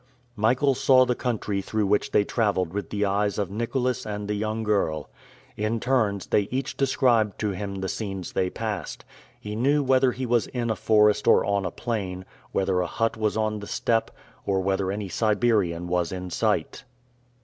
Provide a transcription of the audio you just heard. Michael saw the country through which they traveled with the eyes of Nicholas and the young girl. In turns, they each described to him the scenes they passed. He knew whether he was in a forest or on a plain, whether a hut was on the steppe, or whether any Siberian was in sight.